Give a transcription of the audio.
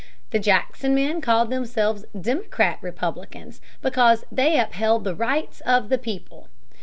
The Jackson men called themselves Democratic Republicans, because they upheld the rights of the people.